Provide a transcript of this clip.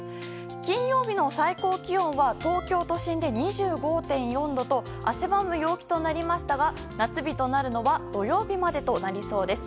金曜日の最高気温は東京都心で２５．４度と汗ばむ陽気となりましたが夏日となるのは土曜日までとなりそうです。